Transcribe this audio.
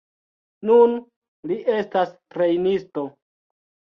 Nun li estas trejnisto.